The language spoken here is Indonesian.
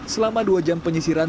selama dua jam penyisiran